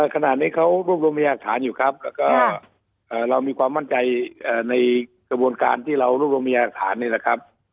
ขณะนี้เขารวบรวมพยาฐานอยู่ครับแล้วก็เรามีความมั่นใจในกระบวนการที่เรารวบรวมพยาฐานนี่แหละครับ